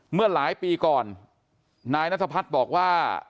เมื่อหลายปีก่อนนายนัทพัฒน์บอกว่า